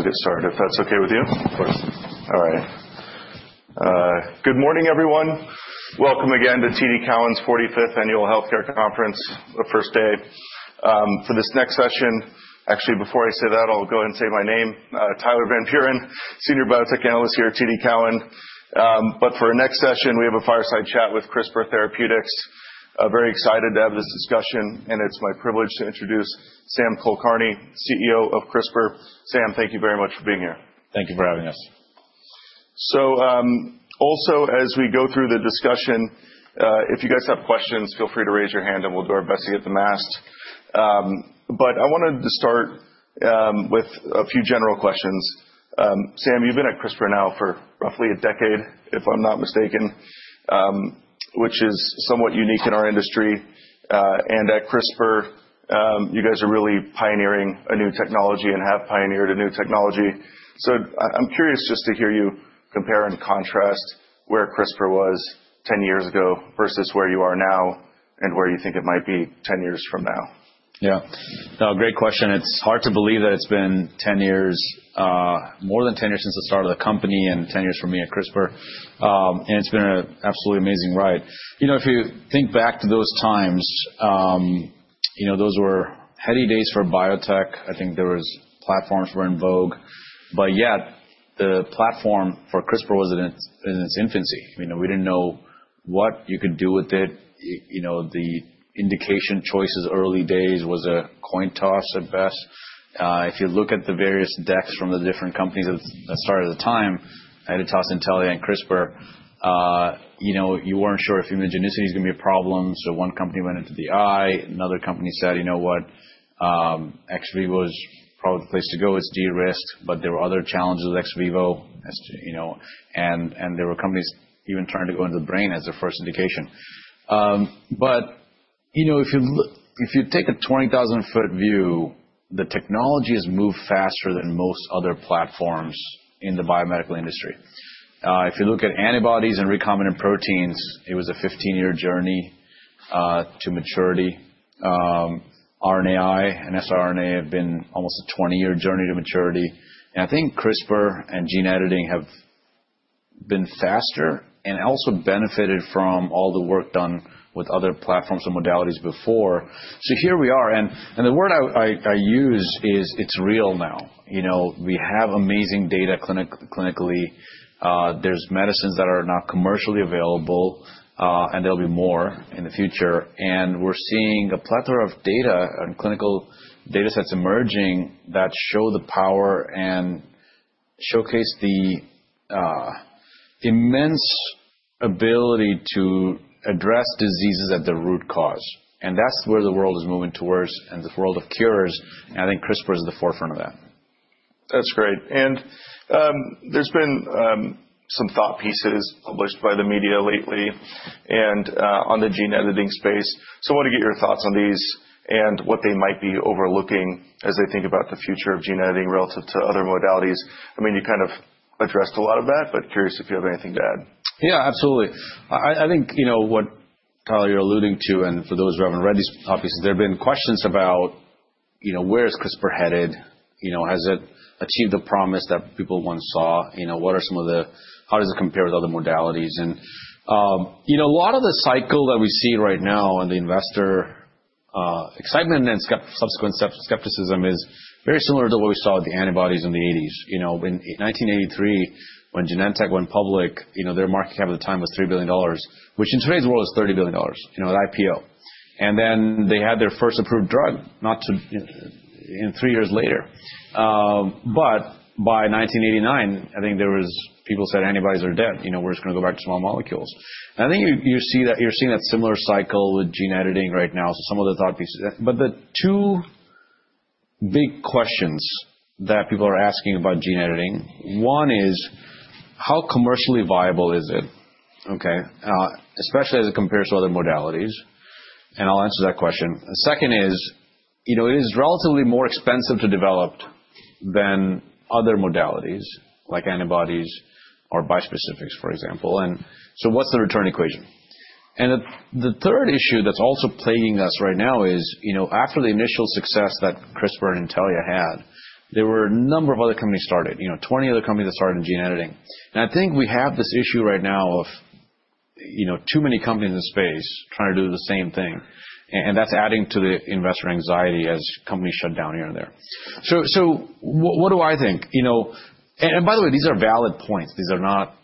I'll get started, if that's okay with you. Of course. All right. Good morning, everyone. Welcome again to TD Cowen's 45th Annual Healthcare Conference, the first day. For this next session, actually, before I say that, I'll go ahead and say my name, Tyler Van Buren, Senior Biotech Analyst here at TD Cowen. But for our next session, we have a fireside chat with CRISPR Therapeutics. Very excited to have this discussion, and it's my privilege to introduce Sam Kulkarni, CEO of CRISPR. Sam, thank you very much for being here. Thank you for having us. So also, as we go through the discussion, if you guys have questions, feel free to raise your hand, and we'll do our best to get them asked. But I wanted to start with a few general questions. Sam, you've been at CRISPR now for roughly a decade, if I'm not mistaken, which is somewhat unique in our industry. And at CRISPR, you guys are really pioneering a new technology and have pioneered a new technology. So I'm curious just to hear you compare and contrast where CRISPR was 10 years ago versus where you are now and where you think it might be 10 years from now. Yeah. No, great question. It's hard to believe that it's been 10 years, more than 10 years, since the start of the company and 10 years for me at CRISPR. It's been an absolutely amazing ride. If you think back to those times, those were heady days for biotech. I think there was platforms were in vogue. Yet, the platform for CRISPR was in its infancy. We didn't know what you could do with it. The indication choices early days was a coin toss at best. If you look at the various decks from the different companies that started at the time, Editas, Intellia, and CRISPR, you weren't sure if immunogenicity was going to be a problem. One company went into the eye. Another company said, "You know what? Ex vivo is probably the place to go. It's de-risked." There were other challenges with ex vivo. There were companies even trying to go into the brain as their first indication. But if you take a 20,000-foot view, the technology has moved faster than most other platforms in the biomedical industry. If you look at antibodies and recombinant proteins, it was a 15-year journey to maturity. RNAi and siRNA have been almost a 20-year journey to maturity. And I think CRISPR and gene editing have been faster and also benefited from all the work done with other platforms and modalities before. So here we are. And the word I use is, it's real now. We have amazing data clinically. There's medicines that are now commercially available, and there'll be more in the future. And we're seeing a plethora of data and clinical data sets emerging that show the power and showcase the immense ability to address diseases at their root cause. That's where the world is moving towards, and the world of cures. I think CRISPR is at the forefront of that. That's great, and there's been some thought pieces published by the media lately and on the gene editing space, so I want to get your thoughts on these and what they might be overlooking as they think about the future of gene editing relative to other modalities. I mean, you kind of addressed a lot of that, but curious if you have anything to add. Yeah, absolutely. I think what Tyler, you're alluding to, and for those who haven't read these thought pieces, there have been questions about where is CRISPR headed? Has it achieved the promise that people once saw? What are some of the, how does it compare with other modalities? And a lot of the cycle that we see right now and the investor excitement and subsequent skepticism is very similar to what we saw with the antibodies in the '80s. In 1983, when Genentech went public, their market cap at the time was $3 billion, which in today's world is $30 billion, the IPO. And then they had their first approved drug three years later. But by 1989, I think there was, people said antibodies are dead. We're just going to go back to small molecules. And I think you're seeing that similar cycle with gene editing right now. Some of the thought pieces. But the two big questions that people are asking about gene editing, one is, how commercially viable is it, especially as it compares to other modalities? And I'll answer that question. The second is, it is relatively more expensive to develop than other modalities like antibodies or bispecifics, for example. And so what's the return equation? And the third issue that's also plaguing us right now is, after the initial success that CRISPR and Intellia had, there were a number of other companies that started, 20 other companies that started in gene editing. And I think we have this issue right now of too many companies in the space trying to do the same thing. And that's adding to the investor anxiety as companies shut down here and there. So what do I think? And by the way, these are valid points. I'm not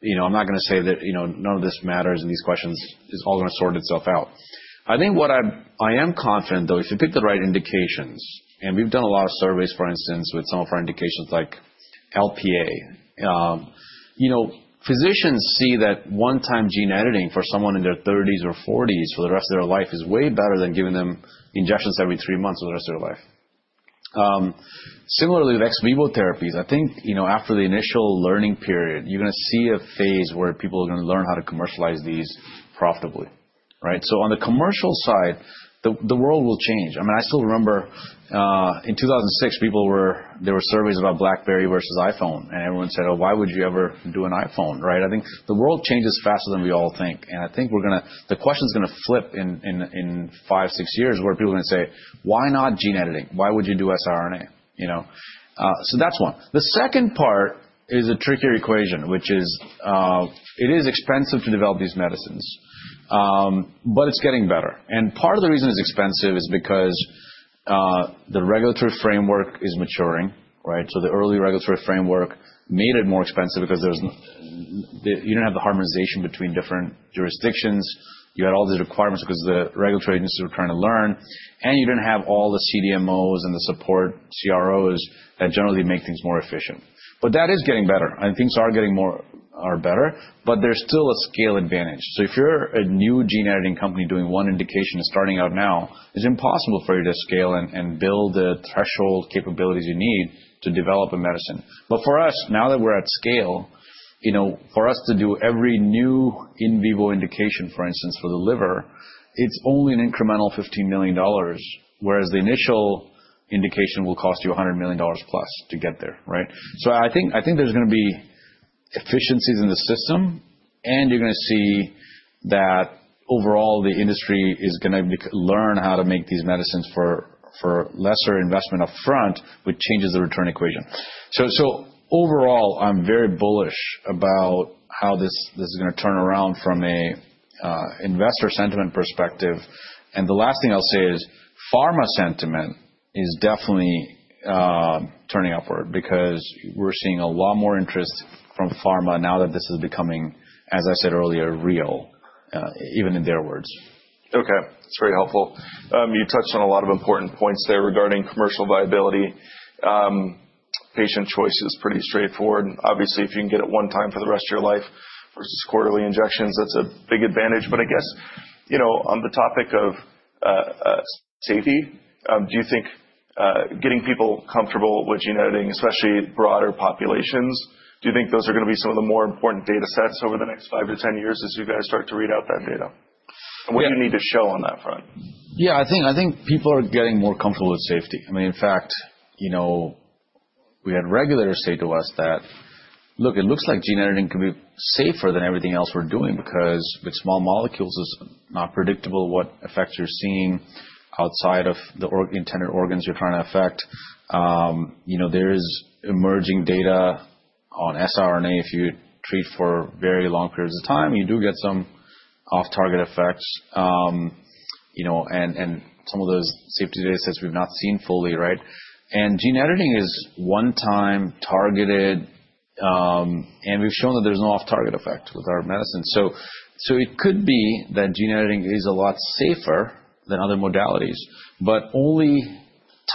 going to say that none of this matters and these questions is all going to sort itself out. I think what I am confident, though, if you pick the right indications and we've done a lot of surveys, for instance, with some of our indications like Lp(a), physicians see that one-time gene editing for someone in their 30s or 40s for the rest of their life is way better than giving them injections every three months for the rest of their life. Similarly, with ex vivo therapies, I think after the initial learning period, you're going to see a phase where people are going to learn how to commercialize these profitably. So on the commercial side, the world will change. I mean, I still remember in 2006, there were surveys about BlackBerry versus iPhone, and everyone said, "Oh, why would you ever do an iPhone?" I think the world changes faster than we all think. And I think the question's going to flip in five, six years where people are going to say, "Why not gene editing? Why would you do siRNA?" So that's one. The second part is a trickier equation, which is it is expensive to develop these medicines, but it's getting better. And part of the reason it's expensive is because the regulatory framework is maturing. So the early regulatory framework made it more expensive because you didn't have the harmonization between different jurisdictions. You had all these requirements because the regulatory agencies were trying to learn. And you didn't have all the CDMOs and the support CROs that generally make things more efficient. But that is getting better. I think things are getting better, but there's still a scale advantage. So if you're a new gene editing company doing one indication and starting out now, it's impossible for you to scale and build the threshold capabilities you need to develop a medicine. But for us, now that we're at scale, for us to do every new in vivo indication, for instance, for the liver, it's only an incremental $15 million, whereas the initial indication will cost you $100 million plus to get there. So I think there's going to be efficiencies in the system, and you're going to see that overall, the industry is going to learn how to make these medicines for lesser investment upfront, which changes the return equation. So overall, I'm very bullish about how this is going to turn around from an investor sentiment perspective. The last thing I'll say is pharma sentiment is definitely turning upward because we're seeing a lot more interest from pharma now that this is becoming, as I said earlier, real, even in their words. Okay. That's very helpful. You touched on a lot of important points there regarding commercial viability. Patient choice is pretty straightforward. Obviously, if you can get it one time for the rest of your life versus quarterly injections, that's a big advantage. But I guess on the topic of safety, do you think getting people comfortable with gene editing, especially broader populations, do you think those are going to be some of the more important data sets over the next five to 10 years as you guys start to read out that data? And what do you need to show on that front? Yeah. I think people are getting more comfortable with safety. I mean, in fact, we had regulators say to us that, "Look, it looks like gene editing can be safer than everything else we're doing because with small molecules, it's not predictable what effects you're seeing outside of the intended organs you're trying to affect." There is emerging data on siRNA. If you treat for very long periods of time, you do get some off-target effects, and some of those safety data sets we've not seen fully, and gene editing is one-time targeted, and we've shown that there's no off-target effect with our medicine. So it could be that gene editing is a lot safer than other modalities, but only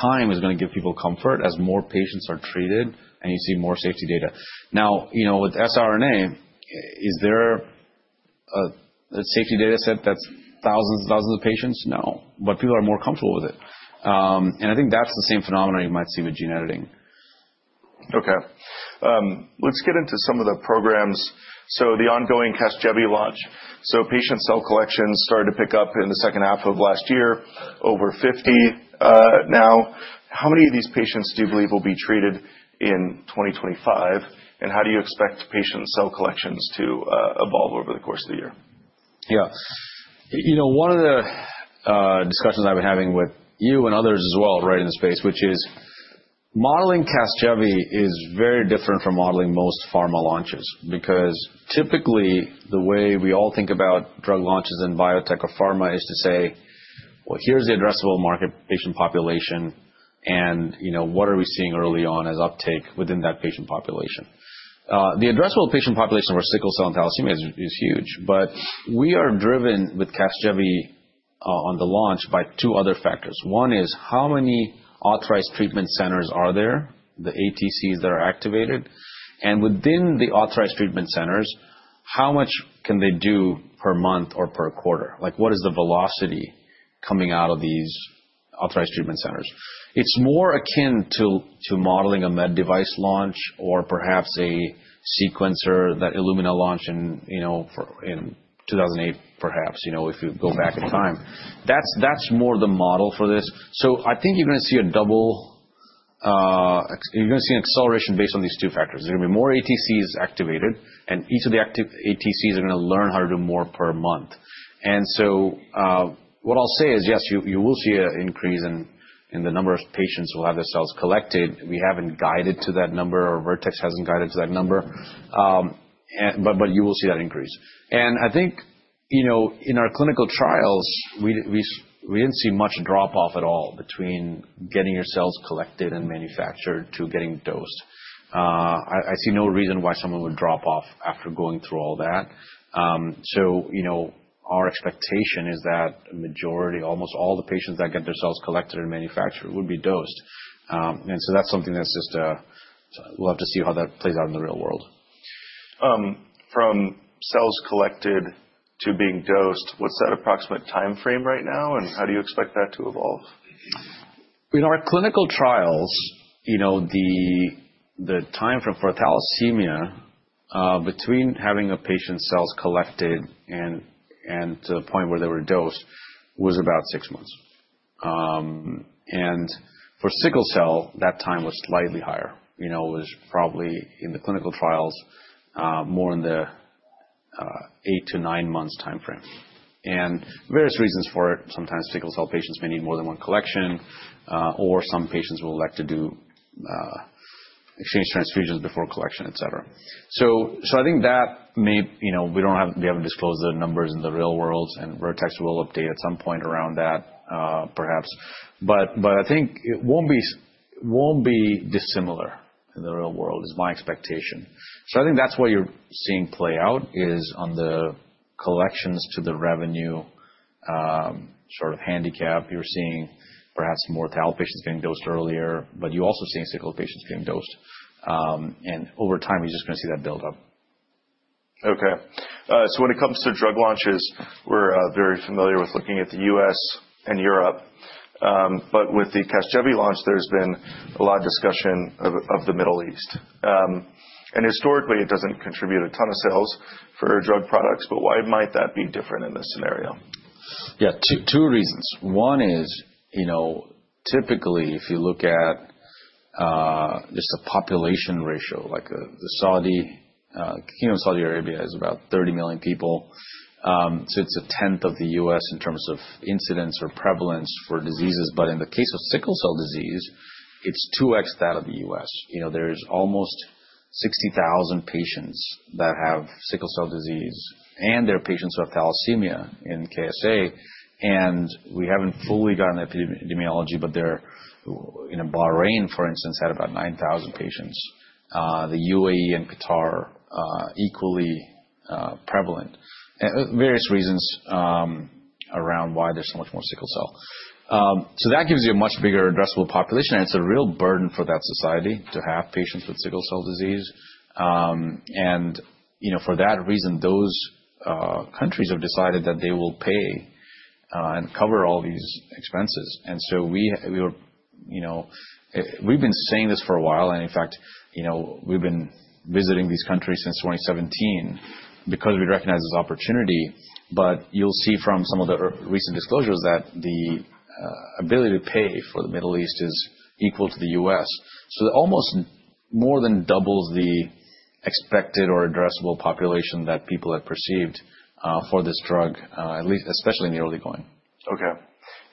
time is going to give people comfort as more patients are treated and you see more safety data. Now, with siRNA, is there a safety data set that's thousands and thousands of patients? No. But people are more comfortable with it. And I think that's the same phenomenon you might see with gene editing. Okay. Let's get into some of the programs. So the ongoing Casgevy launch. So patient cell collections started to pick up in the second half of last year, over 50 now. How many of these patients do you believe will be treated in 2025? And how do you expect patient cell collections to evolve over the course of the year? Yeah. One of the discussions I've been having with you and others as well right in the space, which is modeling Casgevy is very different from modeling most pharma launches because typically, the way we all think about drug launches in biotech or pharma is to say, "Well, here's the addressable market patient population, and what are we seeing early on as uptake within that patient population?" The addressable patient population for sickle cell and thalassemia is huge. But we are driven with Casgevy on the launch by two other factors. One is how many authorized treatment centers are there, the ATCs that are activated. And within the authorized treatment centers, how much can they do per month or per quarter? What is the velocity coming out of these authorized treatment centers? It's more akin to modeling a med device launch or perhaps a sequencer that Illumina launched in 2008, perhaps, if you go back in time. That's more the model for this. So I think you're going to see a double—you're going to see an acceleration based on these two factors. There are going to be more ATCs activated, and each of the ATCs are going to learn how to do more per month. And so what I'll say is, yes, you will see an increase in the number of patients who will have their cells collected. We haven't guided to that number, or Vertex hasn't guided to that number. But you will see that increase. And I think in our clinical trials, we didn't see much drop-off at all between getting your cells collected and manufactured to getting dosed. I see no reason why someone would drop off after going through all that. So our expectation is that a majority, almost all the patients that get their cells collected and manufactured would be dosed. And so that's something that's just. We'll have to see how that plays out in the real world. From cells collected to being dosed, what's that approximate time frame right now, and how do you expect that to evolve? In our clinical trials, the time frame for thalassemia between having a patient's cells collected and to the point where they were dosed was about six months, and for sickle cell, that time was slightly higher. It was probably in the clinical trials more in the eight to nine months time frame, and various reasons for it. Sometimes sickle cell patients may need more than one collection, or some patients will elect to do exchange transfusions before collection, etc. So I think that may, we haven't disclosed the numbers in the real world, and Vertex will update at some point around that, perhaps. But I think it won't be dissimilar in the real world, is my expectation. So I think that's what you're seeing play out is on the collections to the revenue sort of handicap. You're seeing perhaps more thal patients getting dosed earlier, but you're also seeing sickle patients being dosed. And over time, you're just going to see that build up. Okay. So when it comes to drug launches, we're very familiar with looking at the U.S. and Europe. But with the Casgevy launch, there's been a lot of discussion of the Middle East. And historically, it doesn't contribute a ton of sales for drug products. But why might that be different in this scenario? Yeah, two reasons. One is typically, if you look at just a population ratio, like the Kingdom of Saudi Arabia is about 30 million people. So it's a tenth of the U.S. in terms of incidence or prevalence for diseases. But in the case of sickle cell disease, it's 2x that of the U.S. There's almost 60,000 patients that have sickle cell disease, and there are patients who have thalassemia in KSA. And we haven't fully gotten the epidemiology, but Bahrain, for instance, had about 9,000 patients. The UAE and Qatar are equally prevalent for various reasons around why there's so much more sickle cell. So that gives you a much bigger addressable population. And it's a real burden for that society to have patients with sickle cell disease. And for that reason, those countries have decided that they will pay and cover all these expenses. So we've been saying this for a while. In fact, we've been visiting these countries since 2017 because we recognize this opportunity. You'll see from some of the recent disclosures that the ability to pay for the Middle East is equal to the U.S. It almost more than doubles the expected or addressable population that people had perceived for this drug, especially in the early going. Okay.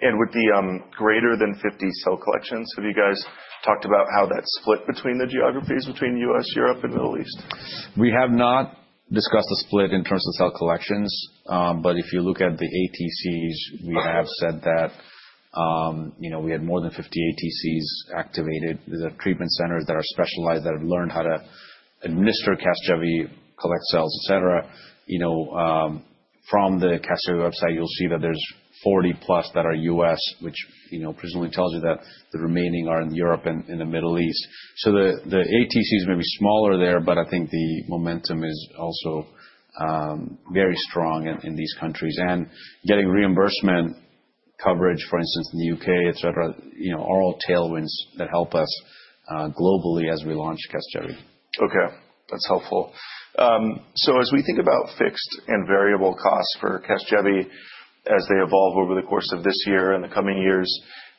And with the greater than 50 cell collections, have you guys talked about how that split between the geographies between the U.S., Europe, and Middle East? We have not discussed the split in terms of cell collections. But if you look at the ATCs, we have said that we had more than 50 ATCs activated. There are treatment centers that are specialized that have learned how to administer Casgevy, collect cells, etc. From the Casgevy website, you'll see that there's 40 plus that are U.S., which presumably tells you that the remaining are in Europe and in the Middle East. So the ATCs may be smaller there, but I think the momentum is also very strong in these countries. And getting reimbursement coverage, for instance, in the U.K., etc., are all tailwinds that help us globally as we launch Casgevy. Okay. That's helpful. So as we think about fixed and variable costs for Casgevy as they evolve over the course of this year and the coming years,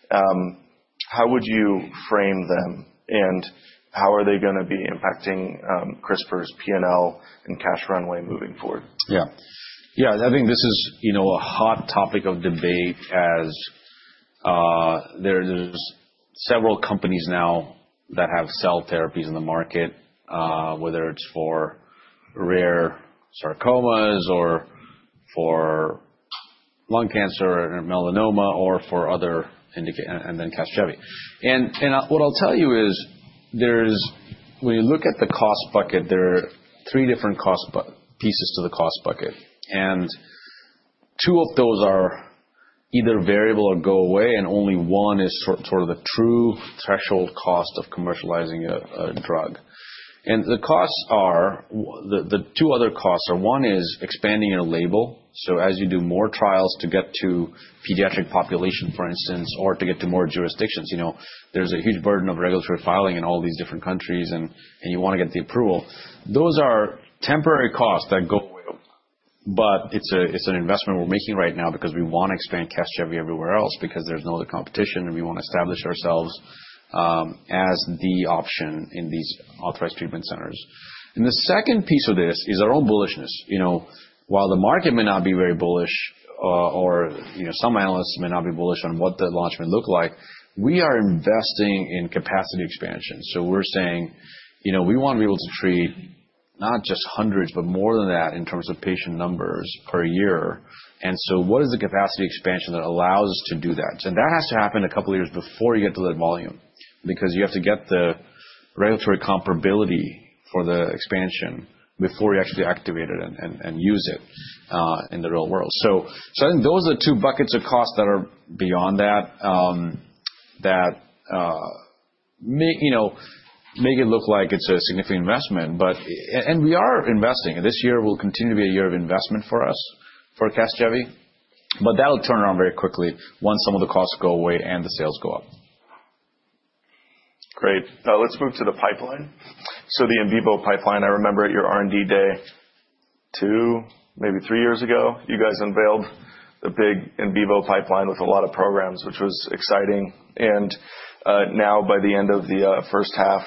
how would you frame them? And how are they going to be impacting CRISPR's P&L and cash runway moving forward? Yeah. Yeah, I think this is a hot topic of debate as there's several companies now that have cell therapies in the market, whether it's for rare sarcomas or for lung cancer or melanoma or for other indications, and then Casgevy. And what I'll tell you is when you look at the cost bucket, there are three different pieces to the cost bucket. And two of those are either variable or go away, and only one is sort of the true threshold cost of commercializing a drug. And the two other costs are. One is expanding your label. So as you do more trials to get to pediatric population, for instance, or to get to more jurisdictions, there's a huge burden of regulatory filing in all these different countries, and you want to get the approval. Those are temporary costs that go away. But it's an investment we're making right now because we want to expand Casgevy everywhere else because there's no other competition, and we want to establish ourselves as the option in these Authorized Treatment Centers. And the second piece of this is our own bullishness. While the market may not be very bullish, or some analysts may not be bullish on what the launch may look like, we are investing in capacity expansion. So we're saying we want to be able to treat not just hundreds, but more than that in terms of patient numbers per year. And so what is the capacity expansion that allows us to do that? And that has to happen a couple of years before you get to that volume because you have to get the regulatory comparability for the expansion before you actually activate it and use it in the real world. So I think those are the two buckets of cost that are beyond that that make it look like it's a significant investment. And we are investing. And this year will continue to be a year of investment for us for Casgevy. But that'll turn around very quickly once some of the costs go away and the sales go up. Great. Let's move to the pipeline. So the in vivo pipeline. I remember at your R&D day two, maybe three years ago, you guys unveiled the big in vivo pipeline with a lot of programs, which was exciting. And now by the end of the first half,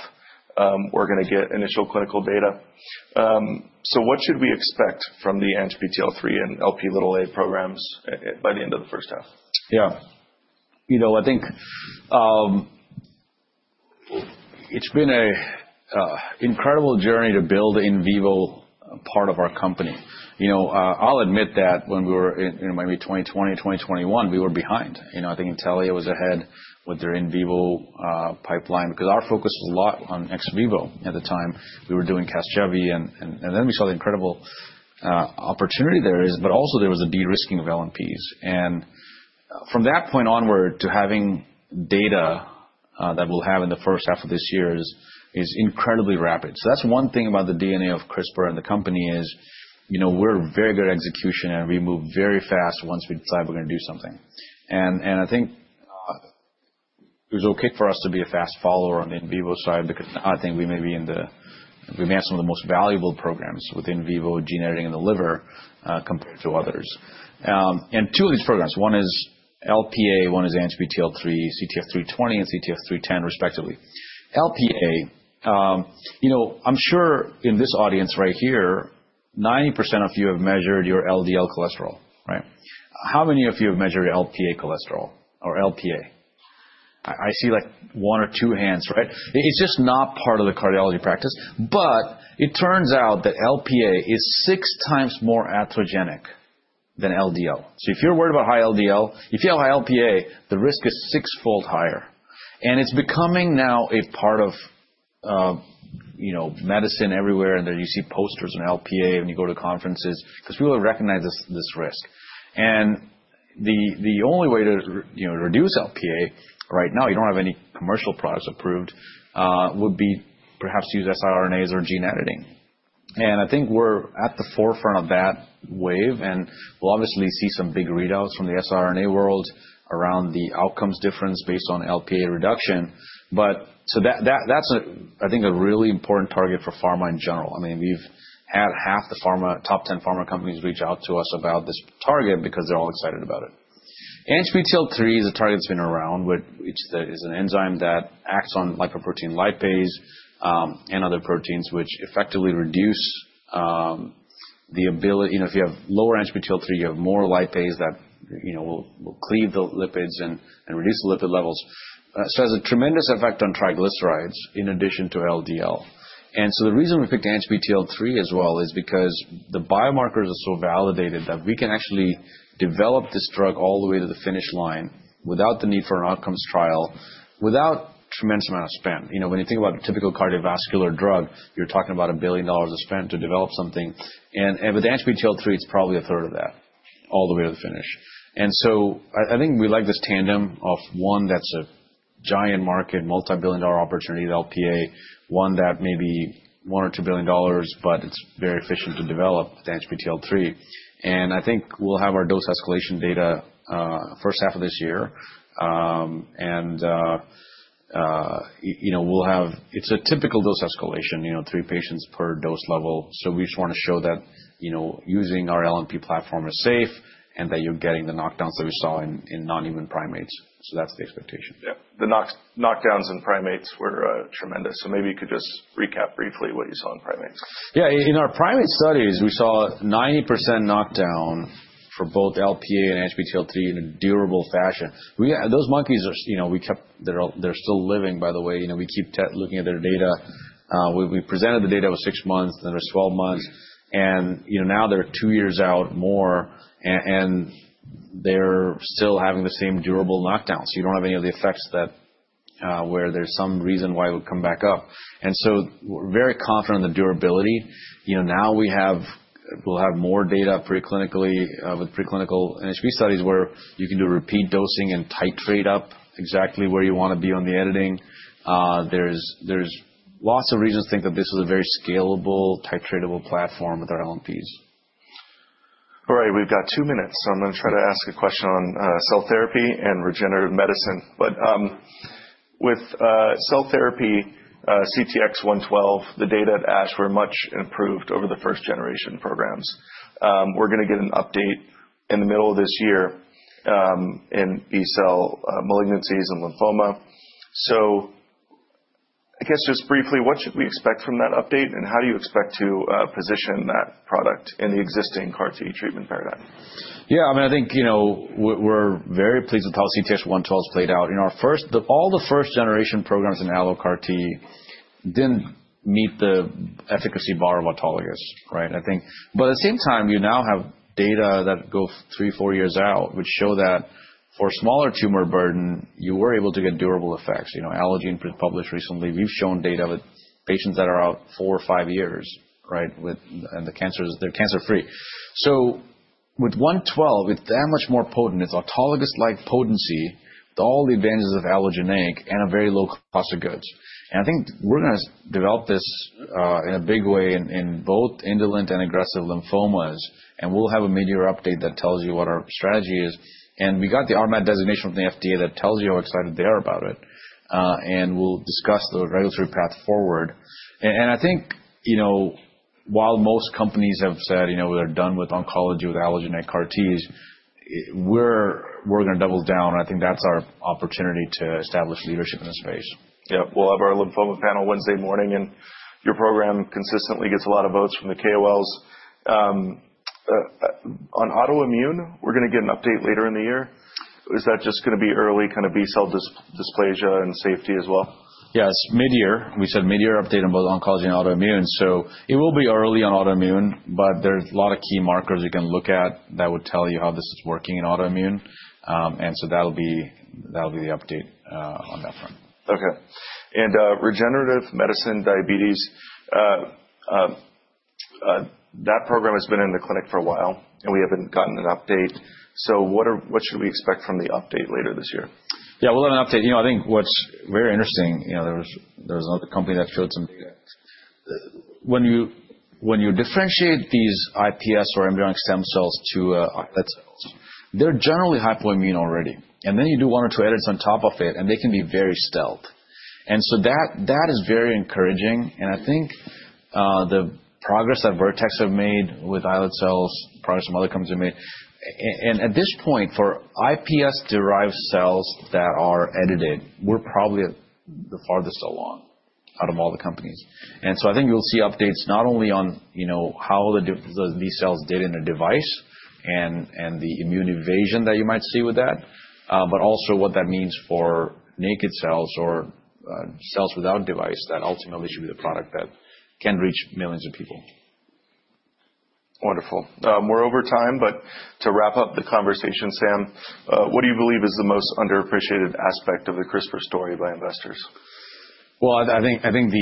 we're going to get initial clinical data. So what should we expect from the ANGPTL3 and Lp(a) programs by the end of the first half? Yeah. I think it's been an incredible journey to build the in vivo part of our company. I'll admit that when we were in maybe 2020, 2021, we were behind. I think Intellia was ahead with their in vivo pipeline because our focus was a lot on ex vivo at the time. We were doing Casgevy. And then we saw the incredible opportunity there is. But also, there was a de-risking of LNPs. And from that point onward to having data that we'll have in the first half of this year is incredibly rapid. So that's one thing about the DNA of CRISPR and the company is we're very good at execution, and we move very fast once we decide we're going to do something. I think it was okay for us to be a fast follower on the in vivo side because I think we may have some of the most valuable programs with in vivo gene editing in the liver compared to others, and two of these programs. One is Lp(a). One is ANGPTL3, CTX320, and CTX310, respectively. Lp(a), I'm sure in this audience right here, 90% of you have measured your LDL cholesterol, right? How many of you have measured Lp(a) cholesterol or Lp(a)? I see like one or two hands, right? It's just not part of the cardiology practice, but it turns out that Lp(a) is six times more atherogenic than LDL, so if you're worried about high LDL, if you have high Lp(a), the risk is sixfold higher, and it's becoming now a part of medicine everywhere. You see posters on Lp(a) when you go to conferences because people recognize this risk. And the only way to reduce Lp(a) right now, you don't have any commercial products approved, would be perhaps to use siRNAs or gene editing. And I think we're at the forefront of that wave. And we'll obviously see some big readouts from the siRNA world around the outcomes difference based on Lp(a) reduction. But so that's, I think, a really important target for pharma in general. I mean, we've had half the top 10 pharma companies reach out to us about this target because they're all excited about it. ANGPTL3 is a target that's been around, which is an enzyme that acts on lipoprotein lipase and other proteins, which effectively reduce the ability if you have lower ANGPTL3, you have more lipase that will cleave the lipids and reduce the lipid levels. So it has a tremendous effect on triglycerides in addition to LDL. And so the reason we picked ANGPTL3 as well is because the biomarkers are so validated that we can actually develop this drug all the way to the finish line without the need for an outcomes trial, without a tremendous amount of spend. When you think about a typical cardiovascular drug, you're talking about $1 billion of spend to develop something. And with ANGPTL3, it's probably a third of that all the way to the finish. And so I think we like this tandem of one that's a giant market, multi-billion-dollar opportunity, Lp(a), one that may be $1 billion-$2 billion, but it's very efficient to develop with ANGPTL3. And I think we'll have our dose escalation data first half of this year. And it's a typical dose escalation, three patients per dose level. So we just want to show that using our LNP platform is safe and that you're getting the knockdowns that we saw in non-human primates. So that's the expectation. Yeah. The knockdowns in primates were tremendous. So maybe you could just recap briefly what you saw in primates. Yeah. In our primate studies, we saw a 90% knockdown for both Lp(a) and ANGPTL3 in a durable fashion. Those monkeys, we kept they're still living, by the way. We keep looking at their data. We presented the data with six months, then there was 12 months. And now they're two years out more. And they're still having the same durable knockdowns. You don't have any of the effects where there's some reason why it would come back up. And so we're very confident on the durability. Now we'll have more data preclinically with preclinical ANGPTL3 studies where you can do repeat dosing and titrate up exactly where you want to be on the editing. There's lots of reasons to think that this is a very scalable, titratable platform with our LNPs. All right. We've got two minutes. So I'm going to try to ask a question on cell therapy and regenerative medicine. But with cell therapy, CTX112, the data at ASH were much improved over the first generation programs. We're going to get an update in the middle of this year in B-cell malignancies and lymphoma. So I guess just briefly, what should we expect from that update? And how do you expect to position that product in the existing CAR T treatment paradigm? Yeah. I mean, I think we're very pleased with how CTX112 has played out. All the first generation programs in all of CAR T didn't meet the efficacy bar of autologous, right? But at the same time, you now have data that go three, four years out, which show that for a smaller tumor burden, you were able to get durable effects. Allogene was published recently. We've shown data with patients that are out four or five years, right? And they're cancer-free. So with 112, it's that much more potent. It's autologous-like potency with all the advantages of allogeneic and a very low cost of goods. And I think we're going to develop this in a big way in both indolent and aggressive lymphomas. And we'll have a mid-year update that tells you what our strategy is. And we got the RMAT designation from the FDA that tells you how excited they are about it. And we'll discuss the regulatory path forward. And I think while most companies have said they're done with oncology with allogeneic CAR Ts, we're going to double down. I think that's our opportunity to establish leadership in this space. Yeah. We'll have our lymphoma panel Wednesday morning. And your program consistently gets a lot of votes from the KOLs. On autoimmune, we're going to get an update later in the year. Is that just going to be early kind of B-cell depletion and safety as well? Yes. Mid-year. We said mid-year update on both oncology and autoimmune. So it will be early on autoimmune. But there's a lot of key markers you can look at that would tell you how this is working in autoimmune. And so that'll be the update on that front. Okay. And regenerative medicine, diabetes, that program has been in the clinic for a while. And we haven't gotten an update. So what should we expect from the update later this year? Yeah. We'll have an update. I think what's very interesting, there was another company that showed some data. When you differentiate these iPS or embryonic stem cells to islet cells, they're generally hypoimmune already. And then you do one or two edits on top of it, and they can be very stealth. And so that is very encouraging. And I think the progress that Vertex have made with islet cells, progress some other companies have made. And at this point, for iPS-derived cells that are edited, we're probably the farthest along out of all the companies. And so I think you'll see updates not only on how these cells did in a device and the immune evasion that you might see with that, but also what that means for naked cells or cells without device that ultimately should be the product that can reach millions of people. Wonderful. We're over time. But to wrap up the conversation, Sam, what do you believe is the most underappreciated aspect of the CRISPR story by investors? I think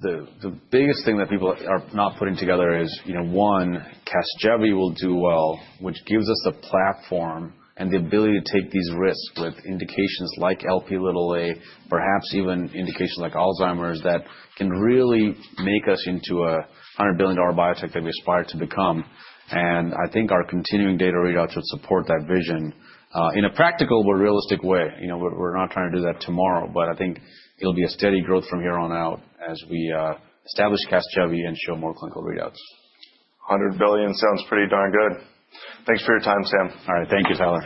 the biggest thing that people are not putting together is, one, Casgevy will do well, which gives us the platform and the ability to take these risks with indications like Lp(a), perhaps even indications like Alzheimer's that can really make us into a $100 billion biotech that we aspire to become. I think our continuing data readouts would support that vision in a practical but realistic way. We're not trying to do that tomorrow. I think it'll be a steady growth from here on out as we establish Casgevy and show more clinical readouts. $100 billion sounds pretty darn good. Thanks for your time, Sam. All right. Thank you, Tyler.